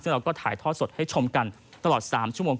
ซึ่งเราก็ถ่ายทอดสดให้ชมกันตลอด๓ชั่วโมง